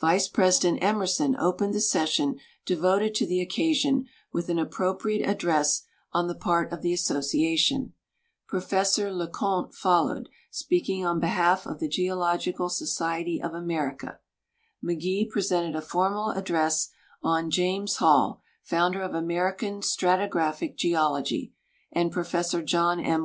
Vice President Emerson opened the session devoted to the occasion with an ai)propriate address on the part of the Association ; Professor Le Conte followed, speaking on behalf of the Geological Society of America ; McGee presented a foi'inal address on "James Hall, Founder of American Strati graphic Geology," and Professor John M.